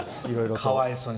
かわいそうに。